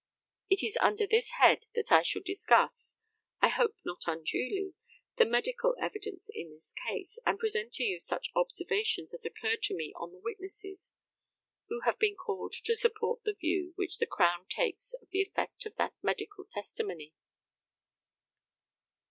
It is under this head that I shall discuss, I hope not unduly, the medical evidence in this case, and present to you such observations as occur to me on the witnesses who have been called to support the view which the Crown takes of the effect of that medical testimony.